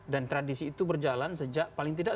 dan tradisi itu berjalan sejak paling tidak